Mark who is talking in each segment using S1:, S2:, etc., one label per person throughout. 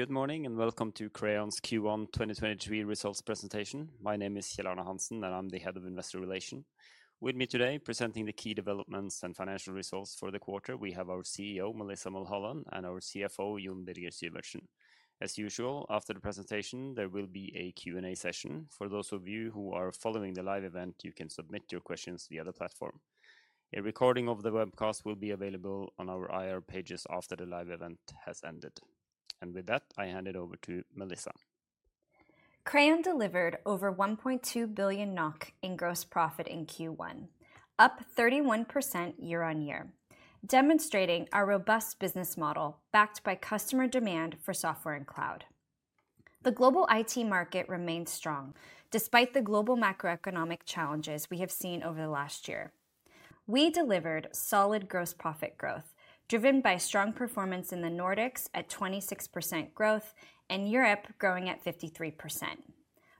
S1: Good morning. Welcome to Crayon's Q1 2023 results presentation. My name is Kjell Arne Hansen, and I'm the Head of Investor Relations. With me today presenting the key developments and financial results for the quarter, we have our CEO, Melissa Mulholland, and our CFO, Jon Birger Syvertsen. As usual, after the presentation, there will be a Q and A session. For those of you who are following the live event, you can submit your questions via the platform. A recording of the webcast will be available on our IR pages after the live event has ended. With that, I hand it over to Melissa.
S2: Crayon delivered over 1.2 billion NOK in gross profit in Q1, up 31% year-over-year, demonstrating our robust business model backed by customer demand for software and cloud. The global IT market remains strong despite the global macroeconomic challenges we have seen over the last year. We delivered solid gross profit growth, driven by strong performance in the Nordics at 26% growth and Europe growing at 53%.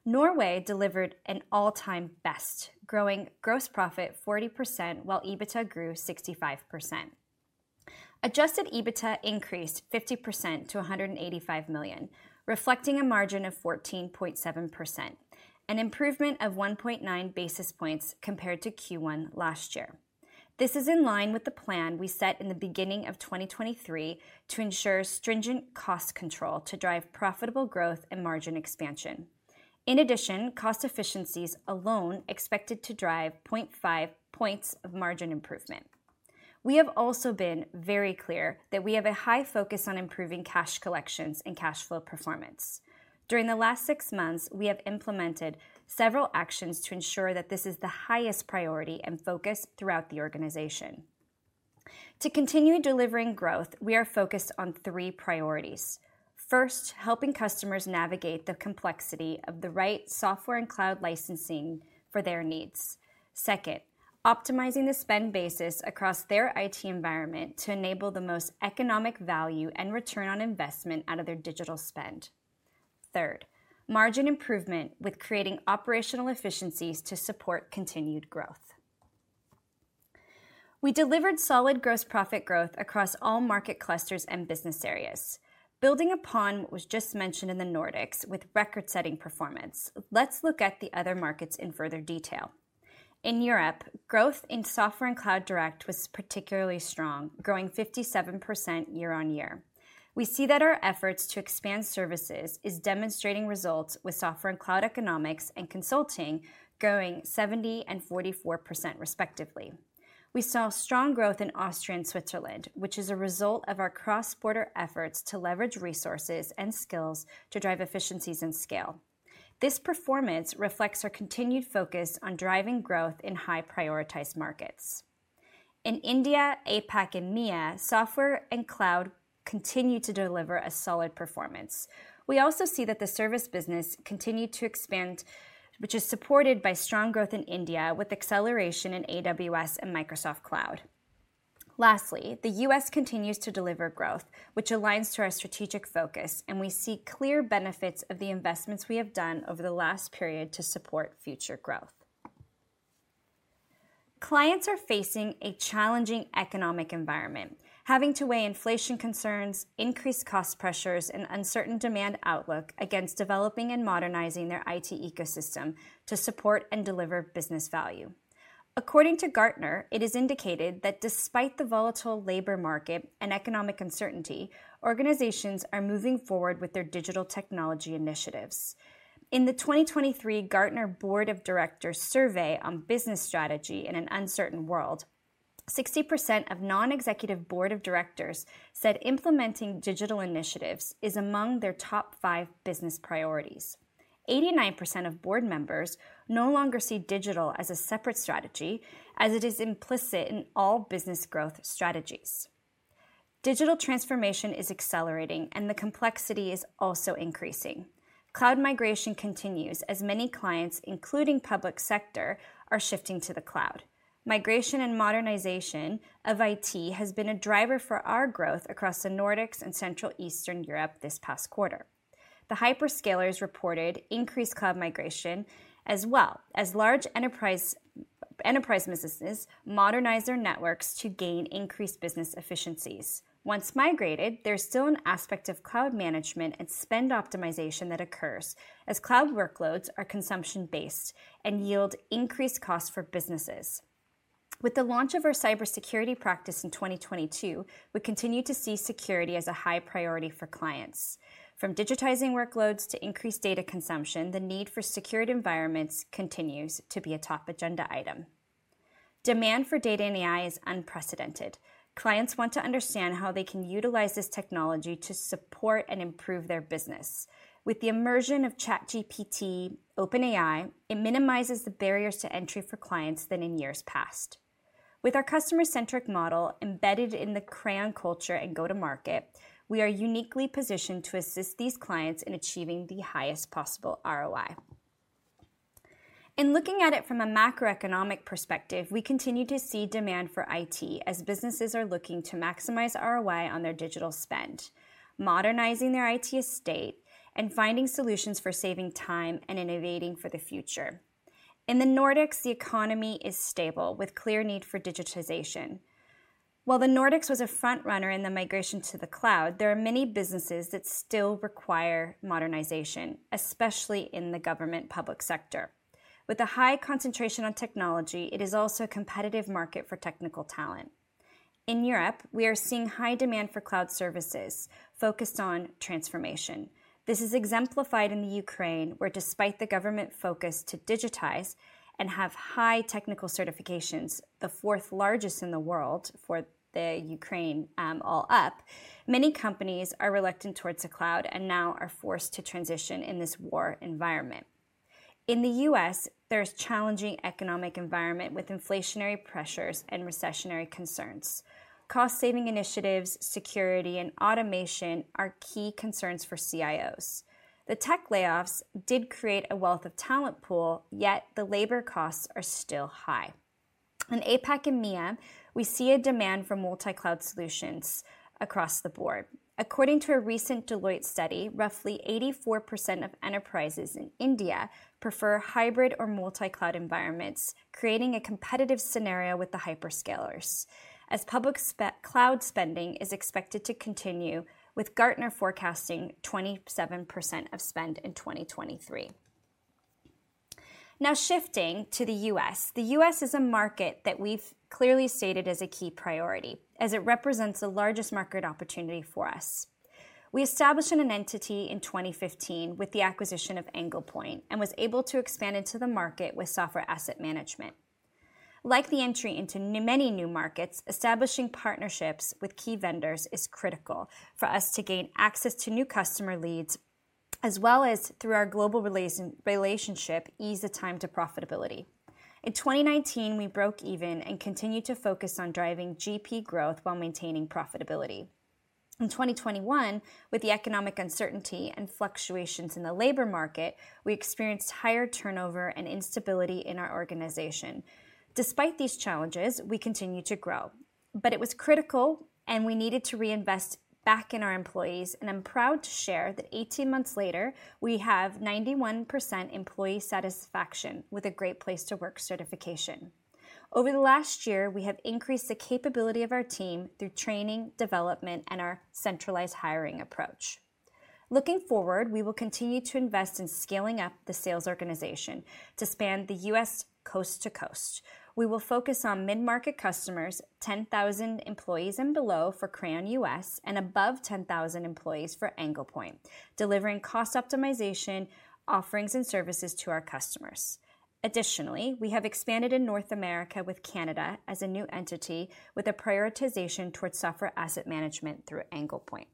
S2: Norway delivered an all-time best, growing gross profit 40% while EBITDA grew 65%. Adjusted EBITDA increased 50% to 185 million, reflecting a margin of 14.7%, an improvement of 1.9 basis points compared to Q1 last year. This is in line with the plan we set in the beginning of 2023 to ensure stringent cost control to drive profitable growth and margin expansion. In addition, cost efficiencies alone expected to drive 0.5 points of margin improvement. We have also been very clear that we have a high focus on improving cash collections and cash flow performance. During the last six months, we have implemented several actions to ensure that this is the highest priority and focus throughout the organization. To continue delivering growth, we are focused on three priorities. First, helping customers navigate the complexity of the right software and cloud licensing for their needs. Second, optimizing the spend basis across their IT environment to enable the most economic value and return on investment out of their digital spend. Third, margin improvement with creating operational efficiencies to support continued growth. We delivered solid gross profit growth across all market clusters and business areas. Building upon what was just mentioned in the Nordics with record-setting performance, let's look at the other markets in further detail. In Europe, growth in Software & Cloud Direct was particularly strong, growing 57% year-on-year. We see that our efforts to expand services is demonstrating results with Software & Cloud Economics and consulting growing 70% and 44% respectively. We saw strong growth in Austria and Switzerland, which is a result of our cross-border efforts to leverage resources and skills to drive efficiencies and scale. This performance reflects our continued focus on driving growth in high prioritized markets. In India, APAC and MEA, software and cloud continued to deliver a solid performance. We also see that the service business continued to expand, which is supported by strong growth in India with acceleration in AWS and Microsoft Cloud. Lastly, the U.S. continues to deliver growth, which aligns to our strategic focus, and we see clear benefits of the investments we have done over the last period to support future growth. Clients are facing a challenging economic environment, having to weigh inflation concerns, increased cost pressures, and uncertain demand outlook against developing and modernizing their IT ecosystem to support and deliver business value. According to Gartner, it is indicated that despite the volatile labor market and economic uncertainty, organizations are moving forward with their digital technology initiatives. In the 2023 Gartner Board of Directors survey on business strategy in an uncertain world, 60% of non-executive board of directors said implementing digital initiatives is among their top five business priorities. 89% of board members no longer see digital as a separate strategy, as it is implicit in all business growth strategies. Digital transformation is accelerating, and the complexity is also increasing. Cloud migration continues as many clients, including public sector, are shifting to the cloud. Migration and modernization of IT has been a driver for our growth across the Nordics and Central Eastern Europe this past quarter. The hyperscalers reported increased cloud migration, as well as large enterprise businesses modernize their networks to gain increased business efficiencies. Once migrated, there's still an aspect of cloud management and spend optimization that occurs as cloud workloads are consumption-based and yield increased costs for businesses. With the launch of our cybersecurity practice in 2022, we continue to see security as a high priority for clients. From digitizing workloads to increased data consumption, the need for secured environments continues to be a top agenda item. Demand for data and AI is unprecedented. Clients want to understand how they can utilize this technology to support and improve their business. With the emergence of ChatGPT OpenAI, it minimizes the barriers to entry for clients than in years past. With our customer-centric model embedded in the Crayon culture and go-to-market, we are uniquely positioned to assist these clients in achieving the highest possible ROI. In looking at it from a macroeconomic perspective, we continue to see demand for IT as businesses are looking to maximize ROI on their digital spend, modernizing their IT estate, and finding solutions for saving time and innovating for the future. In the Nordics, the economy is stable with clear need for digitization. While the Nordics was a frontrunner in the migration to the cloud, there are many businesses that still require modernization, especially in the government public sector. With the high concentration on technology, it is also a competitive market for technical talent. In Europe, we are seeing high demand for cloud services focused on transformation. This is exemplified in the Ukraine, where despite the government focus to digitize and have high technical certifications, the fourth largest in the world for the Ukraine, all up, many companies are reluctant towards the cloud and now are forced to transition in this war environment. In the U.S., there's challenging economic environment with inflationary pressures and recessionary concerns. Cost-saving initiatives, security, and automation are key concerns for CIOs. The tech layoffs did create a wealth of talent pool, yet the labor costs are still high. In APAC and MEA, we see a demand for multi-cloud solutions across the board. According to a recent Deloitte study, roughly 84% of enterprises in India prefer hybrid or multi-cloud environments, creating a competitive scenario with the hyperscalers as public cloud spending is expected to continue, with Gartner forecasting 27% of spend in 2023. Now shifting to the U.S. The U.S. is a market that we've clearly stated as a key priority as it represents the largest market opportunity for us. We established an entity in 2015 with the acquisition of Anglepoint and was able to expand into the market with software asset management. Like the entry into many new markets, establishing partnerships with key vendors is critical for us to gain access to new customer leads as well as through our global relationship, ease the time to profitability. In 2019, we broke even and continued to focus on driving GP growth while maintaining profitability. In 2021, with the economic uncertainty and fluctuations in the labor market, we experienced higher turnover and instability in our organization. Despite these challenges, we continue to grow, but it was critical, we needed to reinvest back in our employees. I'm proud to share that 18 months later, we have 91% employee satisfaction with a Great Place to Work certification. Over the last year, we have increased the capability of our team through training, development, and our centralized hiring approach. Looking forward, we will continue to invest in scaling up the sales organization to span the U.S. coast to coast. We will focus on mid-market customers, 10,000 employees and below for Crayon US and above 10,000 employees for Anglepoint, delivering cost optimization offerings and services to our customers. Additionally, we have expanded in North America with Canada as a new entity with a prioritization towards software asset management through Anglepoint.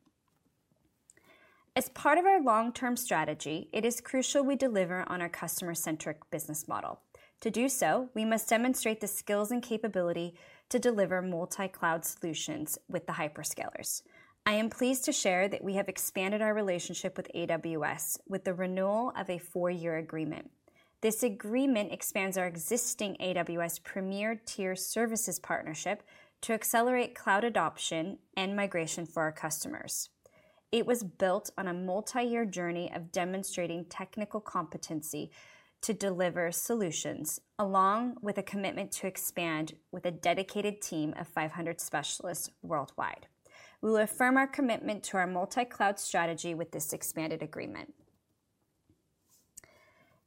S2: As part of our long-term strategy, it is crucial we deliver on our customer-centric business model. To do so, we must demonstrate the skills and capability to deliver multi-cloud solutions with the hyperscalers. I am pleased to share that we have expanded our relationship with AWS with the renewal of a four-year agreement. This agreement expands our existing AWS Premier Tier Services partnership to accelerate cloud adoption and migration for our customers. It was built on a multi-year journey of demonstrating technical competency to deliver solutions, along with a commitment to expand with a dedicated team of 500 specialists worldwide. We will affirm our commitment to our multi-cloud strategy with this expanded agreement.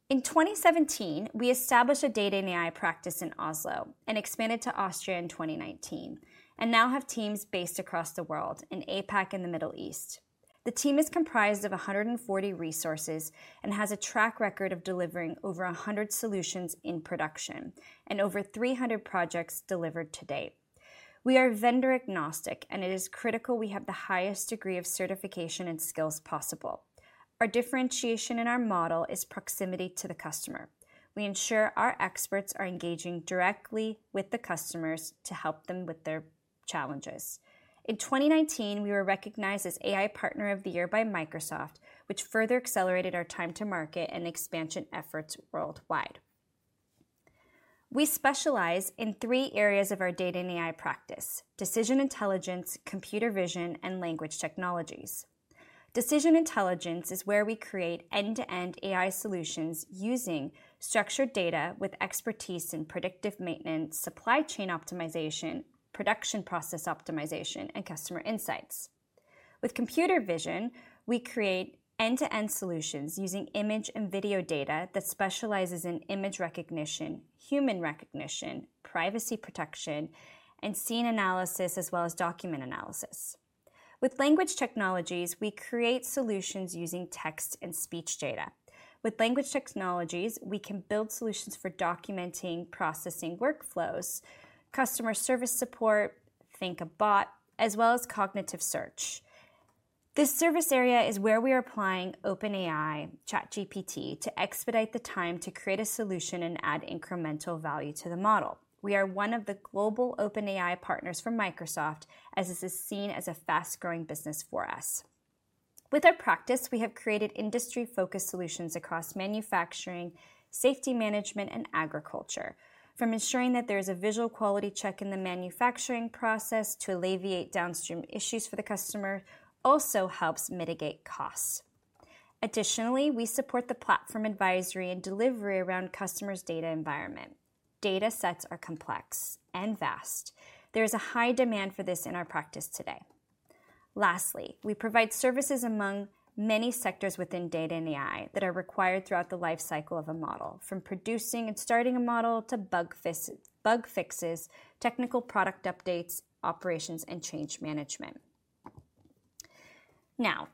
S2: In 2017, we established a data and AI practice in Oslo and expanded to Austria in 2019, and now have teams based across the world in APAC and the Middle East. The team is comprised of 140 resources and has a track record of delivering over 100 solutions in production and over 300 projects delivered to date. We are vendor-agnostic, and it is critical we have the highest degree of certification and skills possible. Our differentiation in our model is proximity to the customer. We ensure our experts are engaging directly with the customers to help them with their challenges. In 2019, we were recognized as AI Partner of the Year by Microsoft, which further accelerated our time to market and expansion efforts worldwide. We specialize in three areas of our data and AI practice: decision intelligence, computer vision, and Language Technologies. Decision intelligence is where we create end-to-end AI solutions using structured data with expertise in predictive maintenance, supply chain optimization, production process optimization, and customer insights. With computer vision, we create end-to-end solutions using image and video data that specializes in image recognition, human recognition, privacy protection, and scene analysis, as well as document analysis. With Language Technologies, we create solutions using text and speech data. With Language Technologies, we can build solutions for documenting processing workflows, customer service support, think a bot, as well as cognitive search. This service area is where we are applying OpenAI ChatGPT to expedite the time to create a solution and add incremental value to the model. We are one of the global OpenAI partners for Microsoft as this is seen as a fast-growing business for us. With our practice, we have created industry-focused solutions across manufacturing, safety management, and agriculture. From ensuring that there is a visual quality check in the manufacturing process to alleviate downstream issues for the customer also helps mitigate costs. Additionally, we support the platform advisory and delivery around customers' data environment. Data sets are complex and vast. There is a high demand for this in our practice today. Lastly, we provide services among many sectors within data and AI that are required throughout the lifecycle of a model, from producing and starting a model to bug fixes, technical product updates, operations, and change management.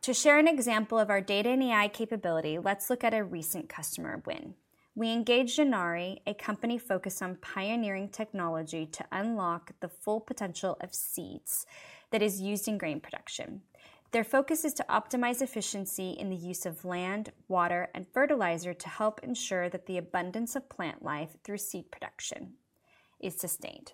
S2: To share an example of our data and AI capability, let's look at a recent customer win. We engaged Geneare, a company focused on pioneering technology to unlock the full potential of seeds that is used in grain production. Their focus is to optimize efficiency in the use of land, water, and fertilizer to help ensure that the abundance of plant life through seed production is sustained.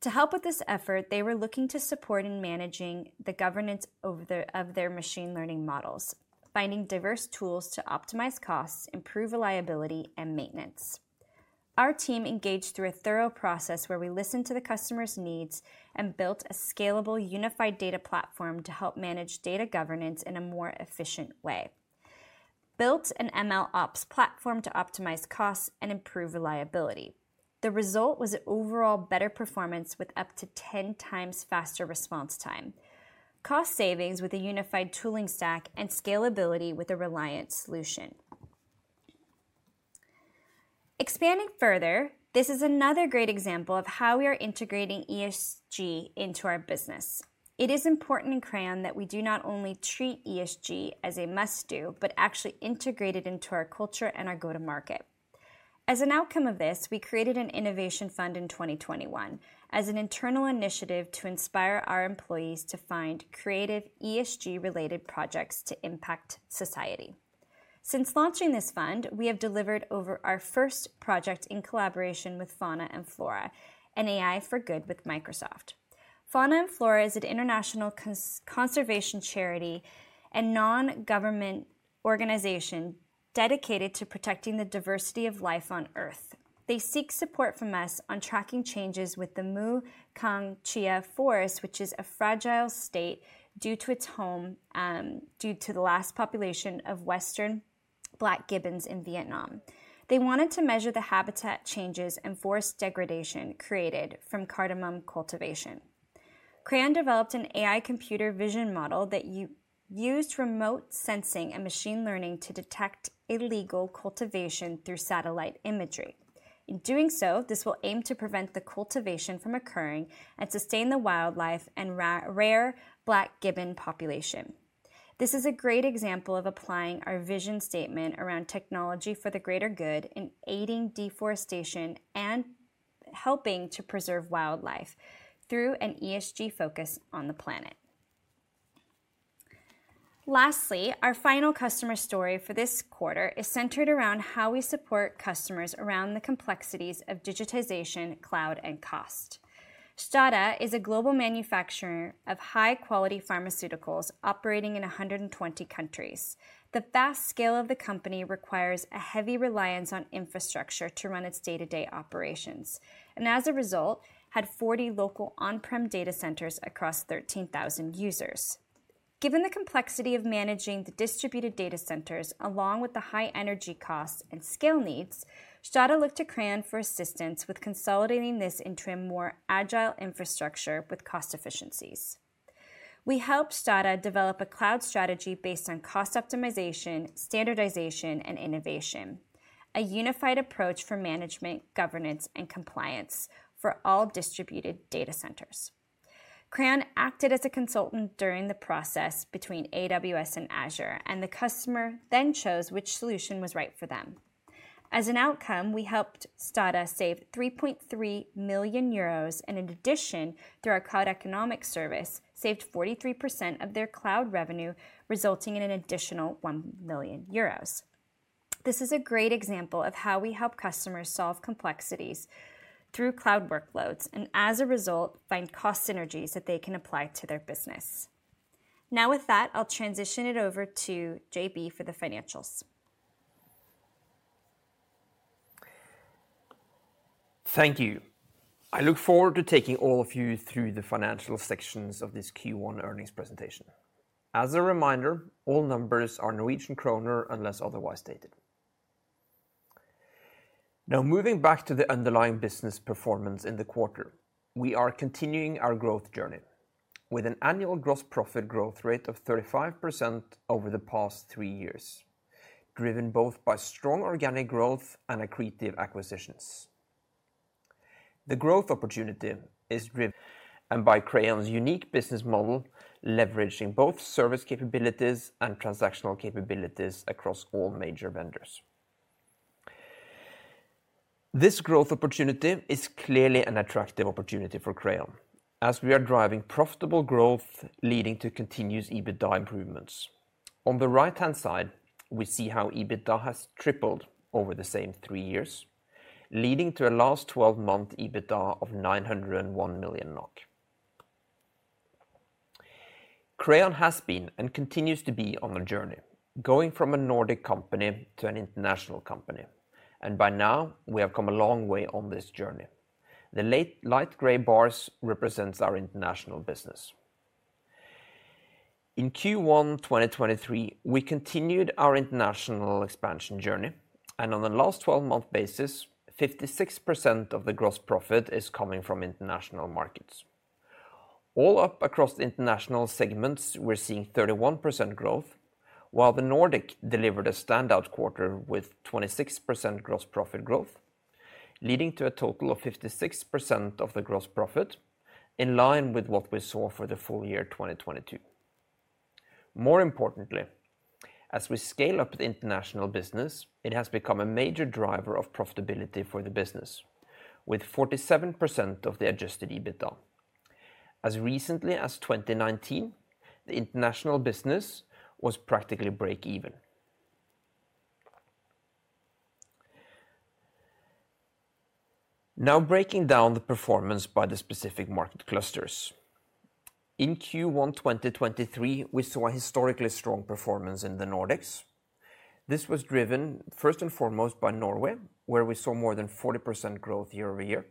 S2: To help with this effort, they were looking to support in managing the governance of their machine learning models, finding diverse tools to optimize costs, improve reliability, and maintenance. Our team engaged through a thorough process where we listened to the customer's needs and built a scalable, unified data platform to help manage data governance in a more efficient way, built an MLOps platform to optimize costs and improve reliability. The result was an overall better performance with up to 10x faster response time, cost savings with a unified tooling stack, and scalability with a reliant solution. Expanding further, this is another great example of how we are integrating ESG into our business. It is important in Crayon that we do not only treat ESG as a must-do, but actually integrate it into our culture and our go-to-market. As an outcome of this, we created an innovation fund in 2021 as an internal initiative to inspire our employees to find creative ESG related projects to impact society. Since launching this fund, we have delivered over our first project in collaboration with Fauna & Flora and AI for Good with Microsoft. Fauna & Flora is an international conservation charity and non-government organization dedicated to protecting the diversity of life on Earth. They seek support from us on tracking changes with the Mù Cang Chải Forest, which is a fragile state due to its home, due to the last population of western black gibbons in Vietnam. They wanted to measure the habitat changes and forest degradation created from cardamom cultivation. Crayon developed an AI computer vision model that used remote sensing and machine learning to detect illegal cultivation through satellite imagery. In doing so, this will aim to prevent the cultivation from occurring and sustain the wildlife and rare black gibbon population. This is a great example of applying our vision statement around technology for the greater good in aiding deforestation and helping to preserve wildlife through an ESG focus on the planet. Lastly, our final customer story for this quarter is centered around how we support customers around the complexities of digitization, cloud, and cost. STADA is a global manufacturer of high quality pharmaceuticals operating in 120 countries. The vast scale of the company requires a heavy reliance on infrastructure to run its day-to-day operations, and as a result, had 40 local on-prem data centers across 13,000 users. Given the complexity of managing the distributed data centers, along with the high energy costs and skill needs, STADA looked to Crayon for assistance with consolidating this into a more agile infrastructure with cost efficiencies. We helped STADA develop a cloud strategy based on cost optimization, standardization, and innovation, a unified approach for management, governance, and compliance for all distributed data centers. Crayon acted as a consultant during the process between AWS and Azure, and the customer then chose which solution was right for them. As an outcome, we helped STADA save 3.3 million euros, and in addition, through our cloud economic service, saved 43% of their cloud revenue, resulting in an additional 1 million euros. This is a great example of how we help customers solve complexities through cloud workloads and, as a result, find cost synergies that they can apply to their business. With that, I'll transition it over to JB for the financials.
S3: Thank you. I look forward to taking all of you through the financial sections of this Q1 earnings presentation. As a reminder, all numbers are Norwegian kroner unless otherwise stated. Moving back to the underlying business performance in the quarter, we are continuing our growth journey with an annual gross profit growth rate of 35% over the past three years, driven both by strong organic growth and accretive acquisitions. The growth opportunity is driven and by Crayon's unique business model, leveraging both service capabilities and transactional capabilities across all major vendors. This growth opportunity is clearly an attractive opportunity for Crayon as we are driving profitable growth leading to continuous EBITDA improvements. On the right-hand side, we see how EBITDA has tripled over the same three years, leading to a last 12 month EBITDA of 901 million NOK. Crayon has been and continues to be on a journey going from a Nordic company to an international company. By now we have come a long way on this journey. The late light gray bars represents our international business. In Q1 2023, we continued our international expansion journey. On the last 12-month basis, 56% of the gross profit is coming from international markets. All up across the international segments, we're seeing 31% growth, while the Nordic delivered a standout quarter with 26% gross profit growth, leading to a total of 56% of the gross profit in line with what we saw for the full year 2022. More importantly, as we scale up the international business, it has become a major driver of profitability for the business with 47% of the adjusted EBITDA. As recently as 2019, the international business was practically break even. Now breaking down the performance by the specific market clusters. In Q1 2023, we saw a historically strong performance in the Nordics. This was driven first and foremost by Norway, where we saw more than 40% growth year-over-year.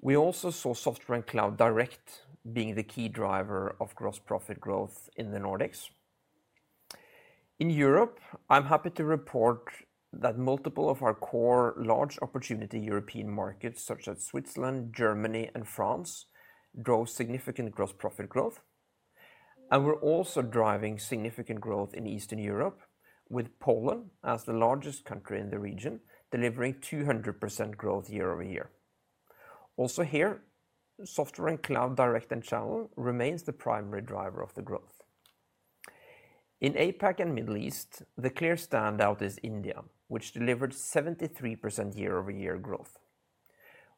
S3: We also saw Software & Cloud Direct being the key driver of gross profit growth in the Nordics. In Europe, I'm happy to report that multiple of our core large opportunity European markets, such as Switzerland, Germany, and France, drove significant gross profit growth. We're also driving significant growth in Eastern Europe with Poland as the largest country in the region, delivering 200% growth year-over-year. Also here, Software & Cloud Direct and Channel remains the primary driver of the growth. In APAC and Middle East, the clear standout is India, which delivered 73% year-over-year growth.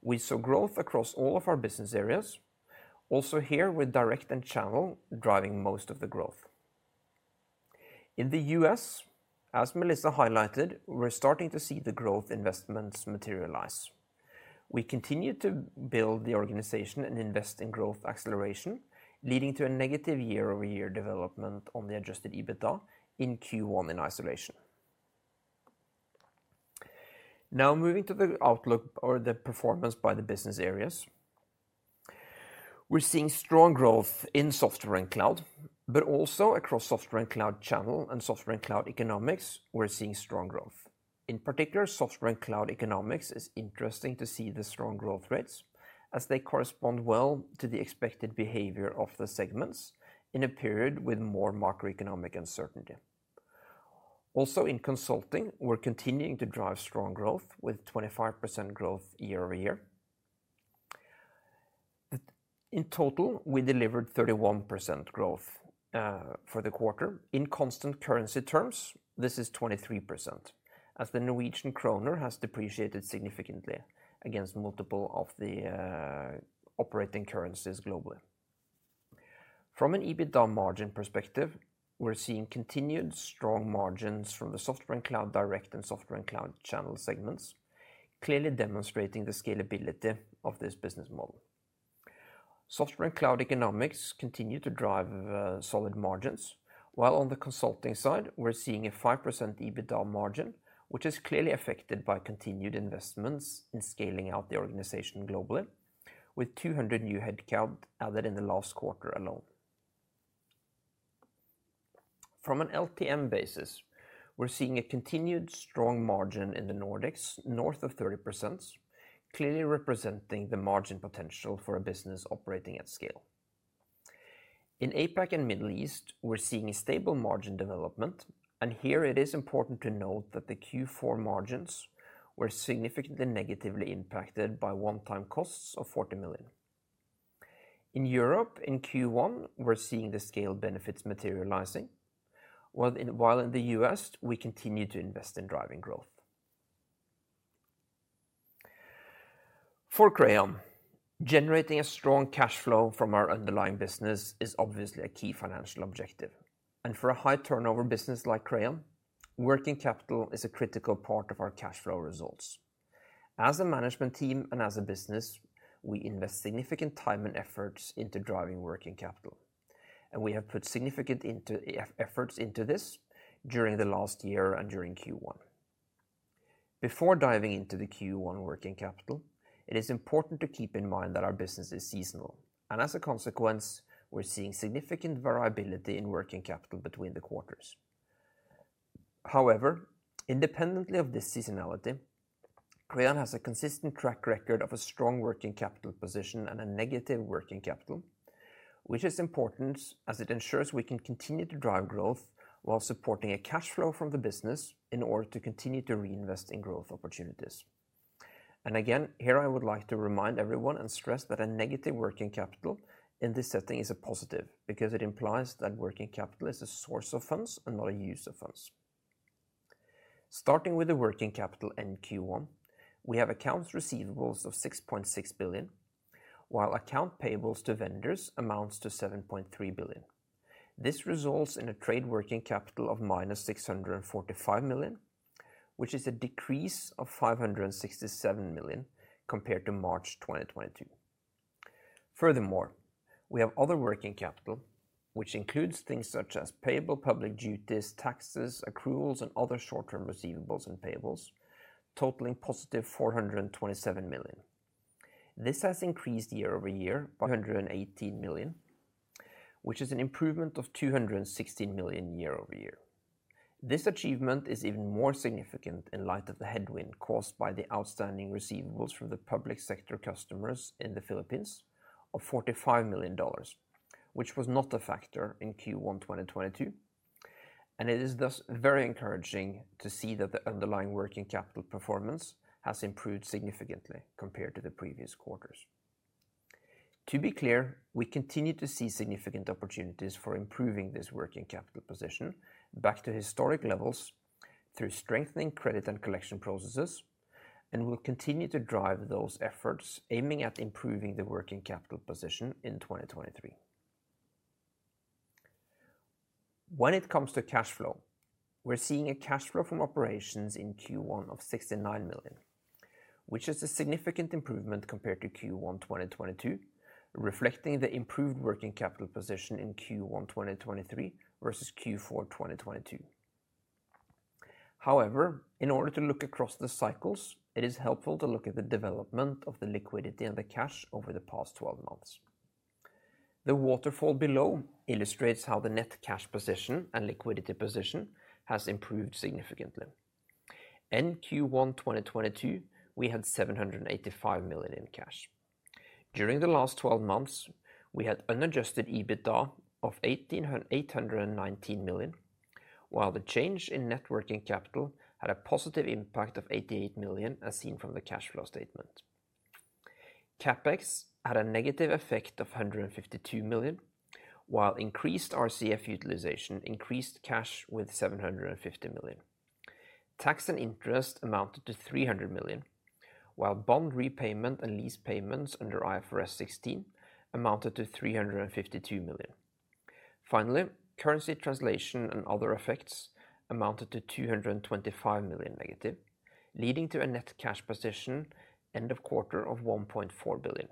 S3: We saw growth across all of our business areas, also here with Direct and Channel driving most of the growth. In the U.S., as Melissa highlighted, we're starting to see the growth investments materialize. We continue to build the organization and invest in growth acceleration, leading to a negative year-over-year development on the adjusted EBITDA in Q1 in isolation. Moving to the outlook or the performance by the business areas. We're seeing strong growth in Software and Cloud, also across Software & Cloud Channel and Software & Cloud Economics, we're seeing strong growth. In particular, Software & Cloud Economics is interesting to see the strong growth rates as they correspond well to the expected behavior of the segments in a period with more macroeconomic uncertainty. In Consulting, we're continuing to drive strong growth with 25% growth year-over-year. In total, we delivered 31% growth for the quarter. In constant currency terms, this is 23% as the Norwegian kroner has depreciated significantly against multiple of the operating currencies globally. From an EBITDA margin perspective, we're seeing continued strong margins from the Software & Cloud Direct and Software & Cloud Channel segments, clearly demonstrating the scalability of this business model. Software & Cloud Economics continue to drive solid margins, while on the Consulting side, we're seeing a 5% EBITDA margin, which is clearly affected by continued investments in scaling out the organization globally with 200 new headcount added in the last quarter alone. From an LPM basis, we're seeing a continued strong margin in the Nordics north of 30%, clearly representing the margin potential for a business operating at scale. In APAC and Middle East, we're seeing a stable margin development, and here it is important to note that the Q4 margins were significantly negatively impacted by one-time costs of 40 million. In Europe, in Q1, we're seeing the scale benefits materializing. While in the U.S., we continue to invest in driving growth. For Crayon, generating a strong cash flow from our underlying business is obviously a key financial objective. For a high turnover business like Crayon, working capital is a critical part of our cash flow results. As a management team and as a business, we invest significant time and efforts into driving working capital, and we have put significant efforts into this during the last year and during Q1. Before diving into the Q1 working capital, it is important to keep in mind that our business is seasonal, and as a consequence, we're seeing significant variability in working capital between the quarters. However, independently of this seasonality, Crayon has a consistent track record of a strong working capital position and a negative working capital, which is important as it ensures we can continue to drive growth while supporting a cash flow from the business in order to continue to reinvest in growth opportunities. Again, here I would like to remind everyone and stress that a negative working capital in this setting is a positive because it implies that working capital is a source of funds and not a use of funds. Starting with the working capital in Q1, we have accounts receivables of 6.6 billion, while account payables to vendors amounts to 7.3 billion. This results in a trade working capital of -$645 million, which is a decrease of $567 million compared to March 2022. We have other working capital, which includes things such as payable public duties, taxes, accruals, and other short-term receivables and payables totaling +$427 million. This has increased year-over-year by $118 million, which is an improvement of $216 million year-over-year. This achievement is even more significant in light of the headwind caused by the outstanding receivables from the public sector customers in the Philippines of $45 million, which was not a factor in Q1 2022, and it is thus very encouraging to see that the underlying working capital performance has improved significantly compared to the previous quarters. To be clear, we continue to see significant opportunities for improving this working capital position back to historic levels through strengthening credit and collection processes. We'll continue to drive those efforts aiming at improving the working capital position in 2023. When it comes to cash flow, we're seeing a cash flow from operations in Q1 of 69 million, which is a significant improvement compared to Q1 2022, reflecting the improved working capital position in Q1 2023 versus Q4 2022. In order to look across the cycles, it is helpful to look at the development of the liquidity and the cash over the past 12 months. The waterfall below illustrates how the net cash position and liquidity position has improved significantly. In Q1 2022, we had 785 million in cash. During the last 12 months, we had unadjusted EBITDA of 819 million, while the change in net working capital had a positive impact of 88 million, as seen from the cash flow statement. CapEx had a negative effect of 152 million, while increased RCF utilization increased cash with 750 million. Tax and interest amounted to 300 million, while bond repayment and lease payments under IFRS 16 amounted to 352 million. Finally, currency translation and other effects amounted to 225 million negative, leading to a net cash position end of quarter of 1.4 billion.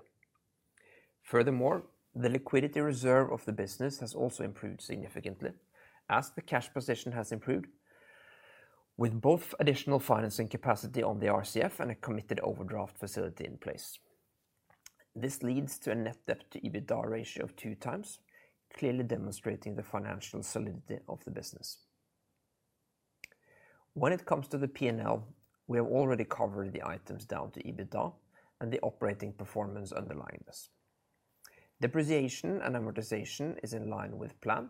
S3: The liquidity reserve of the business has also improved significantly as the cash position has improved, with both additional financing capacity on the RCF and a committed overdraft facility in place. This leads to a net debt to EBITDA ratio of two times, clearly demonstrating the financial solidity of the business. When it comes to the P&L, we have already covered the items down to EBITDA and the operating performance underlying this. Depreciation and amortization is in line with plan,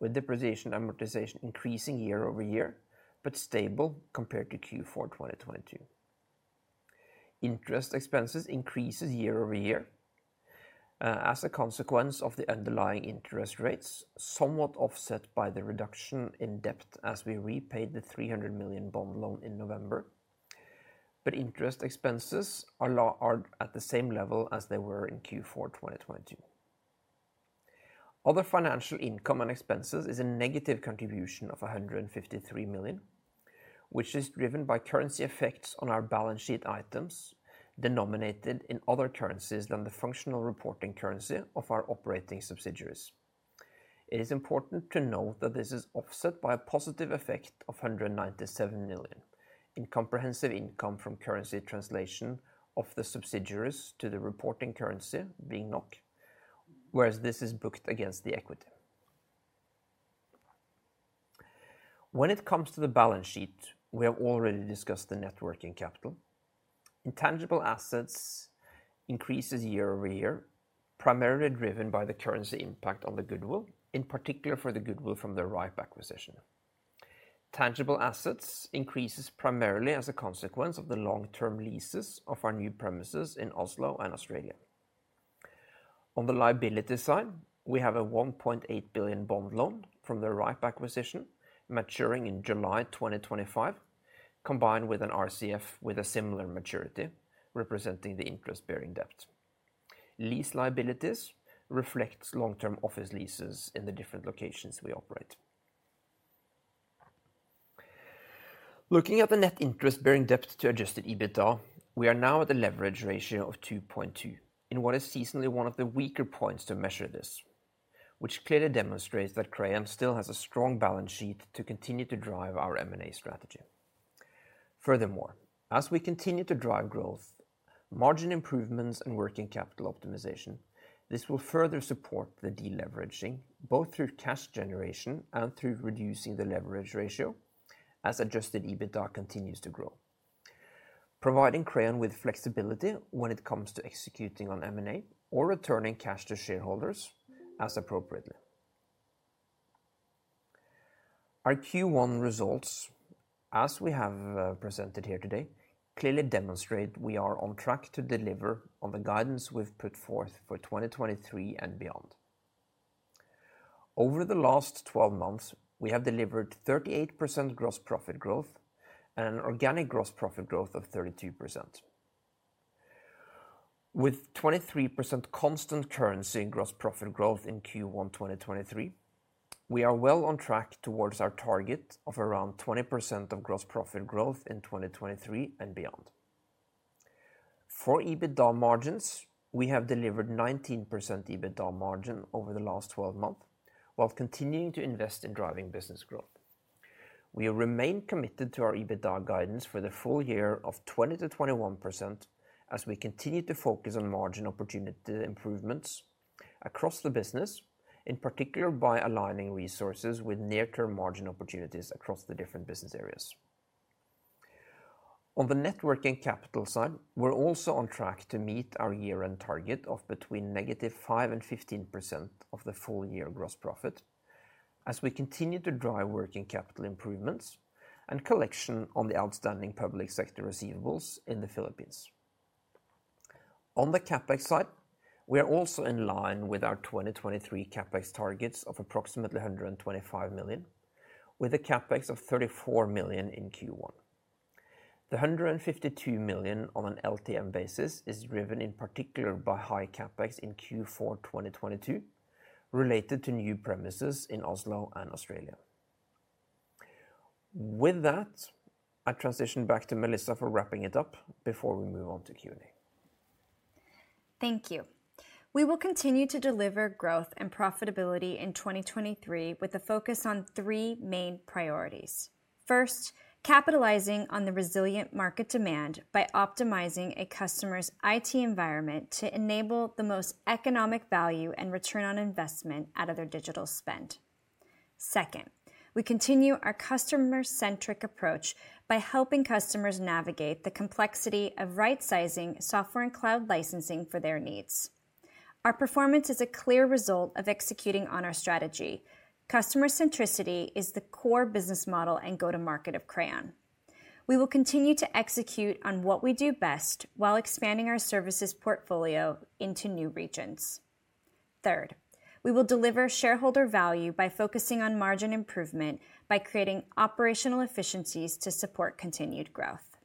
S3: with depreciation and amortization increasing year-over-year, but stable compared to Q4, 2022. Interest expenses increases year-over-year, as a consequence of the underlying interest rates, somewhat offset by the reduction in debt as we repaid the 300 million bond loan in November. Interest expenses are at the same level as they were in Q4, 2022. Other financial income and expenses is a negative contribution of 153 million, which is driven by currency effects on our balance sheet items denominated in other currencies than the functional reporting currency of our operating subsidiaries. It is important to note that this is offset by a positive effect of 197 million in comprehensive income from currency translation of the subsidiaries to the reporting currency being NOK, whereas this is booked against the equity. When it comes to the balance sheet, we have already discussed the net working capital. Intangible assets increases year-over-year, primarily driven by the currency impact on the goodwill, in particular for the goodwill from the Rhipe acquisition. Tangible assets increases primarily as a consequence of the long-term leases of our new premises in Oslo and Australia. On the liability side, we have a 1.8 billion bond loan from the rhipe acquisition maturing in July 2025, combined with an RCF with a similar maturity representing the interest-bearing debt. Lease liabilities reflects long-term office leases in the different locations we operate. Looking at the net interest-bearing debt to adjusted EBITDA, we are now at a leverage ratio of 2.2 in what is seasonally one of the weaker points to measure this, which clearly demonstrates that Crayon still has a strong balance sheet to continue to drive our M&A strategy. Furthermore, as we continue to drive growth, margin improvements, and working capital optimization, this will further support the deleveraging, both through cash generation and through reducing the leverage ratio as adjusted EBITDA continues to grow, providing Crayon with flexibility when it comes to executing on M&A or returning cash to shareholders as appropriately. Our Q1 results, as we have presented here today, clearly demonstrate we are on track to deliver on the guidance we've put forth for 2023 and beyond. Over the last 12 months, we have delivered 38% gross profit growth and an organic gross profit growth of 32%. With 23% constant currency in gross profit growth in Q1 2023. We are well on track towards our target of around 20% of gross profit growth in 2023 and beyond. For EBITDA margins, we have delivered 19% EBITDA margin over the last 12 months while continuing to invest in driving business growth. We remain committed to our EBITDA guidance for the full year of 20%-21% as we continue to focus on margin opportunity improvements across the business, in particular by aligning resources with near-term margin opportunities across the different business areas. On the network and capital side, we're also on track to meet our year-end target of between -5% and 15% of the full year gross profit as we continue to drive working capital improvements and collection on the outstanding public sector receivables in the Philippines. On the CapEx side, we are also in line with our 2023 CapEx targets of approximately 125 million, with a CapEx of 34 million in Q1. The 152 million on an LTM basis is driven in particular by high CapEx in Q4 2022 related to new premises in Oslo and Australia. With that, I transition back to Melissa for wrapping it up before we move on to Q and A.
S2: Thank you. We will continue to deliver growth and profitability in 2023 with a focus on three main priorities. First, capitalizing on the resilient market demand by optimizing a customer's IT environment to enable the most economic value and return on investment out of their digital spend. Second, we continue our customer-centric approach by helping customers navigate the complexity of right-sizing software and cloud licensing for their needs. Our performance is a clear result of executing on our strategy. Customer centricity is the core business model and go-to-market of Crayon. We will continue to execute on what we do best while expanding our services portfolio into new regions. Third, we will deliver shareholder value by focusing on margin improvement by creating operational efficiencies to support continued growth.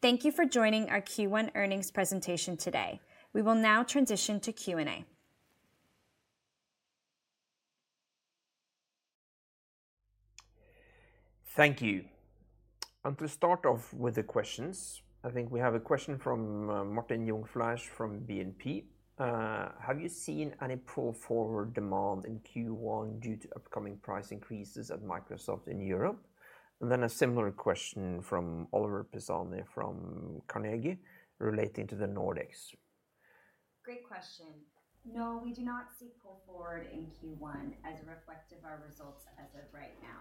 S2: Thank you for joining our Q1 earnings presentation today. We will now transition to Q and A.
S3: Thank you. To start off with the questions, I think we have a question from Martin Jungfleisch from BNP. Have you seen any pull forward demand in Q1 due to upcoming price increases at Microsoft in Europe? A similar question from Oliver Pisani from Carnegie relating to the Nordics.
S2: Great question. No, we do not see pull forward in Q1 as reflective our results as of right now.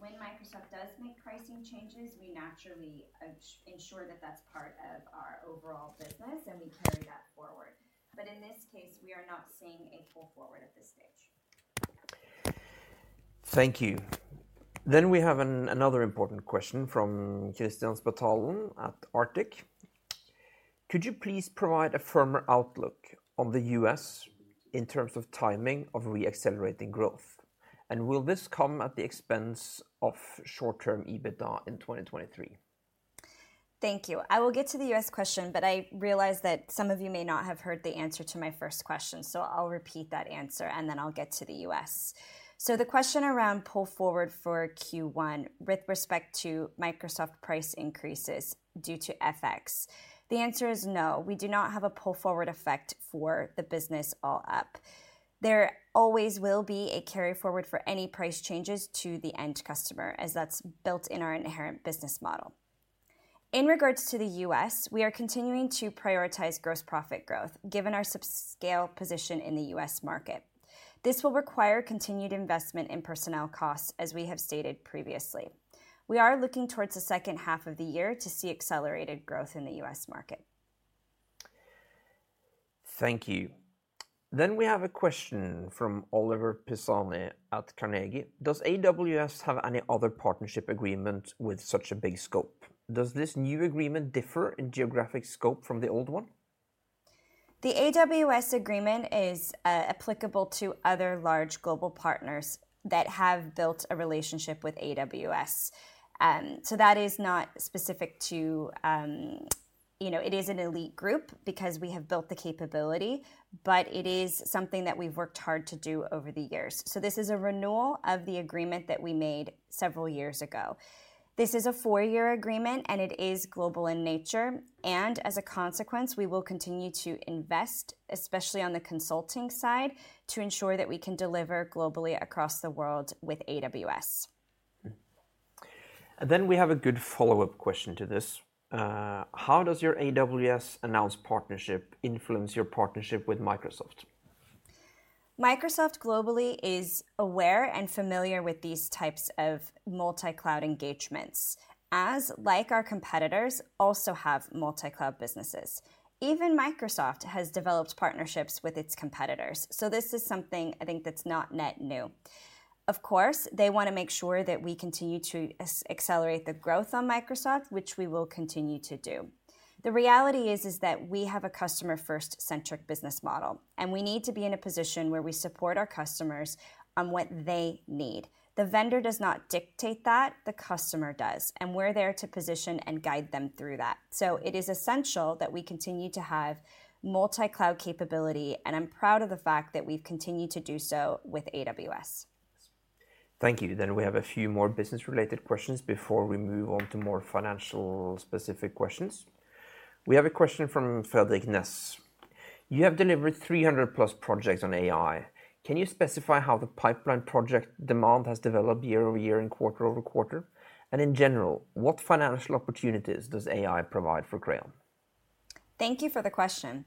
S2: When Microsoft does make pricing changes, we naturally ensure that that's part of our overall business, and we carry that forward. In this case, we are not seeing a pull forward at this stage.
S3: Thank you. We have another important question from Kristian Spetalen at Arctic. Could you please provide a firmer outlook on the U.S. in terms of timing of re-accelerating growth? Will this come at the expense of short-term EBITDA in 2023?
S2: Thank you. I will get to the U.S. question, I realize that some of you may not have heard the answer to my first question, I'll repeat that answer, and then I'll get to the U.S. The question around pull forward for Q1 with respect to Microsoft price increases due to FX. The answer is no, we do not have a pull forward effect for the business all up. There always will be a carry forward for any price changes to the end customer, as that's built in our inherent business model. In regards to the U.S., we are continuing to prioritize gross profit growth, given our subscale position in the U.S. market. This will require continued investment in personnel costs, as we have stated previously. We are looking towards the second half of the year to see accelerated growth in the U.S. market.
S3: Thank you. We have a question from Oliver Pisani at Carnegie. Does AWS have any other partnership agreement with such a big scope? Does this new agreement differ in geographic scope from the old one?
S2: The AWS agreement is applicable to other large global partners that have built a relationship with AWS. That is not specific to. You know, it is an elite group because we have built the capability, but it is something that we've worked hard to do over the years. This is a renewal of the agreement that we made several years ago. This is a four-year agreement, and it is global in nature. As a consequence, we will continue to invest, especially on the consulting side, to ensure that we can deliver globally across the world with AWS.
S3: We have a good follow-up question to this. How does your AWS announced partnership influence your partnership with Microsoft?
S2: Microsoft globally is aware and familiar with these types of multi-cloud engagements, as like our competitors also have multi-cloud businesses. Even Microsoft has developed partnerships with its competitors. This is something I think that's not net new. Of course, they wanna make sure that we continue to accelerate the growth on Microsoft, which we will continue to do. The reality is that we have a customer-first centric business model, and we need to be in a position where we support our customers on what they need. The vendor does not dictate that, the customer does, and we're there to position and guide them through that. It is essential that we continue to have multi-cloud capability, and I'm proud of the fact that we've continued to do so with AWS.
S3: Thank you. We have a few more business related questions before we move on to more financial specific questions. We have a question from Fredrik Ness. You have delivered 300+ projects on AI. Can you specify how the pipeline project demand has developed year-over-year and quarter-over-quarter? In general, what financial opportunities does AI provide for Crayon?
S2: Thank you for the question.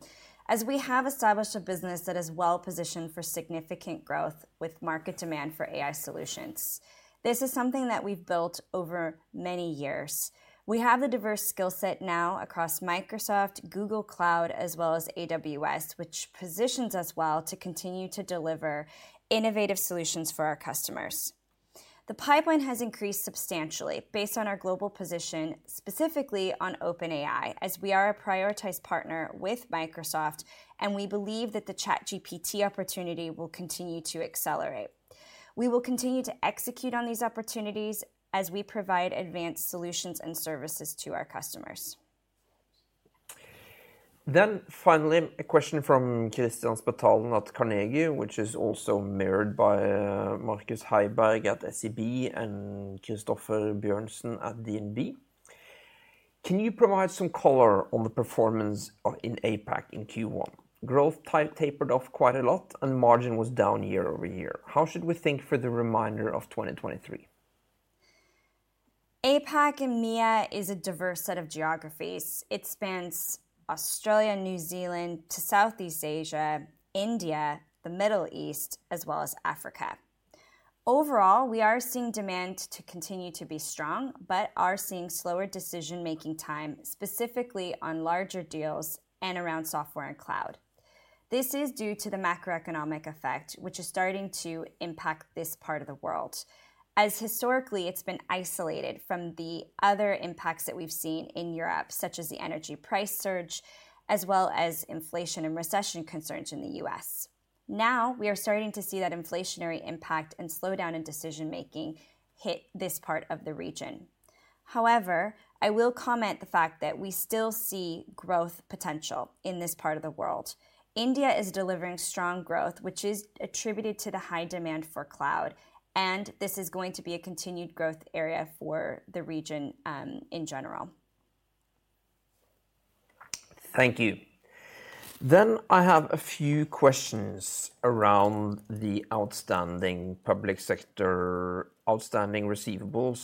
S2: As we have established a business that is well-positioned for significant growth with market demand for AI solutions, this is something that we've built over many years. We have the diverse skill set now across Microsoft, Google Cloud, as well as AWS, which positions us well to continue to deliver innovative solutions for our customers. The pipeline has increased substantially based on our global position, specifically on OpenAI, as we are a prioritized partner with Microsoft, and we believe that the ChatGPT opportunity will continue to accelerate. We will continue to execute on these opportunities as we provide advanced solutions and services to our customers.
S3: Finally, a question from Kristian Spetalen at Carnegie, which is also mirrored by Markus Heiberg at SEB and Christoffer Wang Bjørnsen at DNB. Can you provide some color on the performance in APAC in Q1? Growth tapered off quite a lot and margin was down year-over-year. How should we think for the remainder of 2023?
S2: APAC and MEA is a diverse set of geographies. It spans Australia, New Zealand to Southeast Asia, India, the Middle East, as well as Africa. Overall, we are seeing demand to continue to be strong, but are seeing slower decision-making time, specifically on larger deals and around software and cloud. This is due to the macroeconomic effect, which is starting to impact this part of the world, as historically it's been isolated from the other impacts that we've seen in Europe, such as the energy price surge, as well as inflation and recession concerns in the U.S. Now, we are starting to see that inflationary impact and slowdown in decision-making hit this part of the region. I will comment the fact that we still see growth potential in this part of the world. India is delivering strong growth, which is attributed to the high demand for cloud, and this is going to be a continued growth area for the region, in general.
S3: Thank you. I have a few questions around the outstanding receivables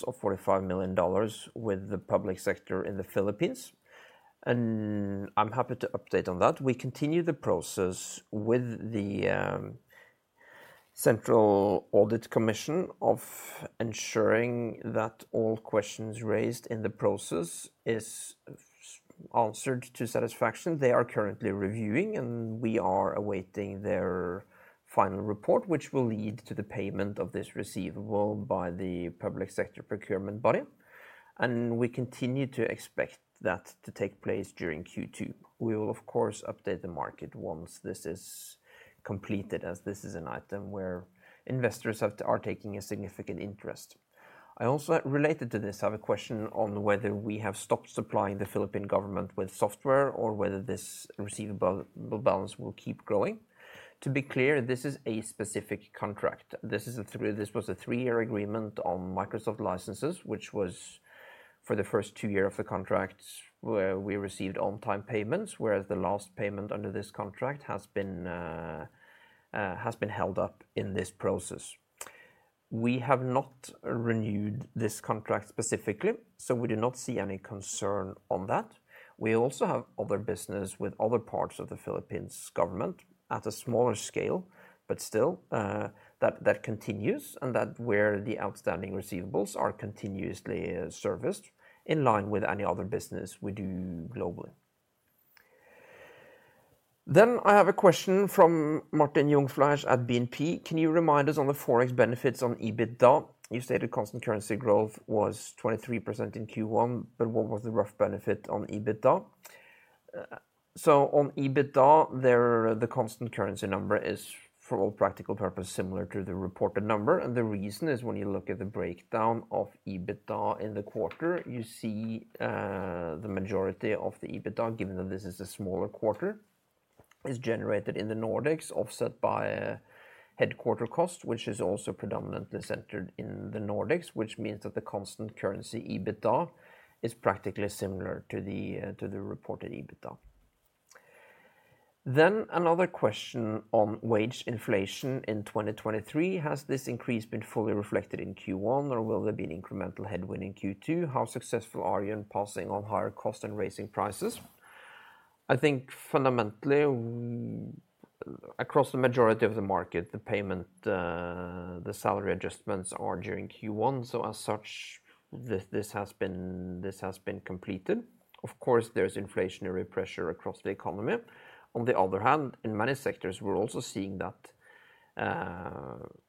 S3: of $45 million with the public sector in the Philippines, I'm happy to update on that. We continue the process with the Central Audit Commission of ensuring that all questions raised in the process is answered to satisfaction. They are currently reviewing, we are awaiting their final report, which will lead to the payment of this receivable by the public sector procurement body. We continue to expect that to take place during Q2. We will of course update the market once this is completed, as this is an item where investors are taking a significant interest. I also, related to this, have a question on whether we have stopped supplying the Philippine government with software or whether this receivable balance will keep growing. To be clear, this is a specific contract. This was a three-year agreement on Microsoft licenses, which was for the first two-year of the contract where we received on-time payments, whereas the last payment under this contract has been held up in this process. We have not renewed this contract specifically. We do not see any concern on that. We also have other business with other parts of the Philippines government at a smaller scale, but still, that continues and that where the outstanding receivables are continuously serviced in line with any other business we do globally. I have a question from Martin Jungfleisch at BNP. Can you remind us on the Forex benefits on EBITDA? You stated constant currency growth was 23% in Q1, but what was the rough benefit on EBITDA? On EBITDA, the constant currency number is, for all practical purposes, similar to the reported number. The reason is when you look at the breakdown of EBITDA in the quarter, you see, the majority of the EBITDA, given that this is a smaller quarter, is generated in the Nordics, offset by headquarter cost, which is also predominantly centered in the Nordics, which means that the constant currency EBITDA is practically similar to the reported EBITDA. Another question on wage inflation in 2023. Has this increase been fully reflected in Q1, or will there be an incremental headwind in Q2? How successful are you in passing on higher cost and raising prices? I think fundamentally across the majority of the market, the payment, the salary adjustments are during Q1, so as such, this has been completed. Of course, there's inflationary pressure across the economy. On the other hand, in many sectors, we're also seeing that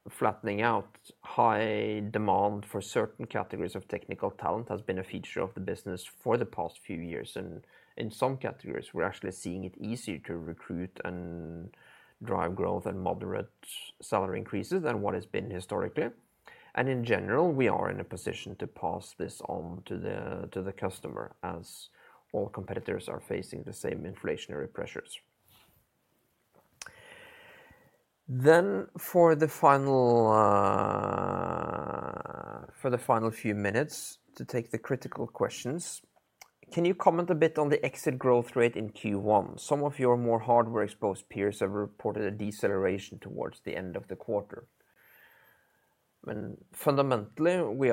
S3: flattening out high demand for certain categories of technical talent has been a feature of the business for the past few years. In some categories, we're actually seeing it easier to recruit and drive growth and moderate salary increases than what has been historically. In general, we are in a position to pass this on to the customer as all competitors are facing the same inflationary pressures. For the final few minutes to take the critical questions. Can you comment a bit on the exit growth rate in Q1? Some of your more hardware-exposed peers have reported a deceleration towards the end of the quarter. Fundamentally, we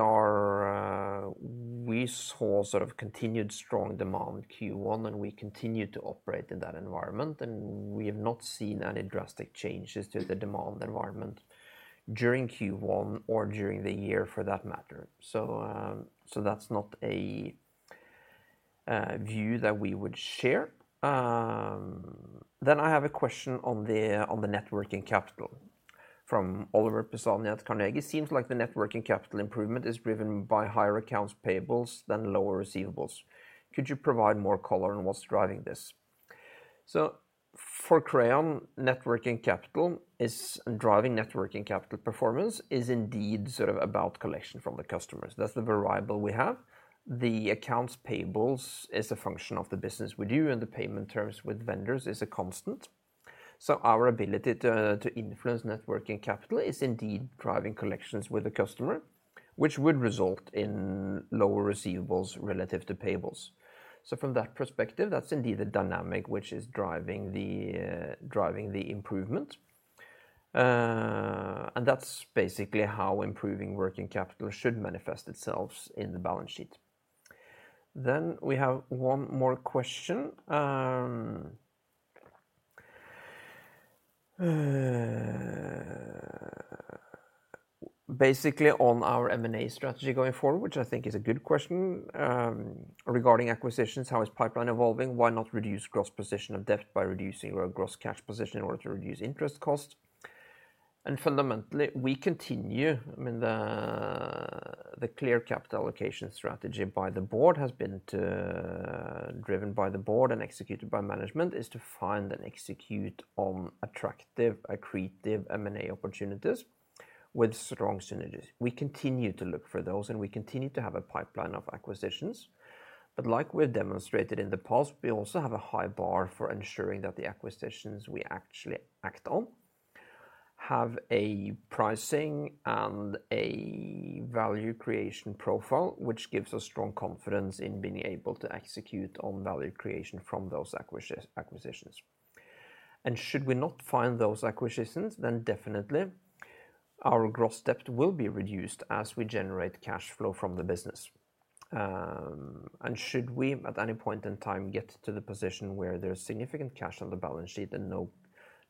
S3: saw sort of continued strong demand Q1, we continue to operate in that environment, we have not seen any drastic changes to the demand environment during Q1 or during the year for that matter. That's not a view that we would share. I have a question on the net working capital from Oliver Pisani at Carnegie. Seems like the net working capital improvement is driven by higher accounts payables than lower receivables. Could you provide more color on what's driving this? For Crayon, net working capital is driving net working capital performance is indeed sort of about collection from the customers. That's the variable we have. The accounts payables is a function of the business we do, and the payment terms with vendors is a constant. Our ability to influence net working capital is indeed driving collections with the customer, which would result in lower receivables relative to payables. From that perspective, that's indeed a dynamic which is driving the improvement. That's basically how improving working capital should manifest itself in the balance sheet. We have one more question, basically on our M&A strategy going forward, which I think is a good question. Regarding acquisitions, how is pipeline evolving? Why not reduce gross position of debt by reducing our gross cash position in order to reduce interest costs? Fundamentally, we continue. I mean, the clear capital allocation strategy by the board has been driven by the board and executed by management is to find and execute on attractive, accretive M&A opportunities with strong synergies. We continue to look for those, we continue to have a pipeline of acquisitions. Like we've demonstrated in the past, we also have a high bar for ensuring that the acquisitions we actually act on have a pricing and a value creation profile, which gives us strong confidence in being able to execute on value creation from those acquisitions. Should we not find those acquisitions, definitely our gross debt will be reduced as we generate cash flow from the business. Should we, at any point in time, get to the position where there's significant cash on the balance sheet and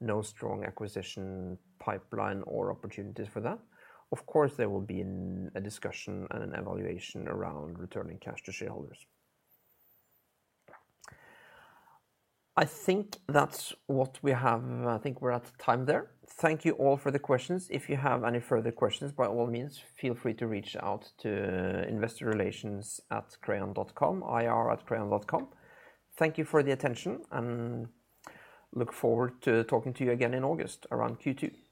S3: no strong acquisition pipeline or opportunities for that, of course, there will be a discussion and an evaluation around returning cash to shareholders. I think that's what we have. I think we're at time there. Thank you all for the questions. If you have any further questions, by all means, feel free to reach out to investorrelations@crayon.com, ir@crayon.com. Thank you for the attention and look forward to talking to you again in August around Q2. Thank you.